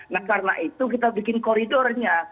nah karena itu kita bikin koridornya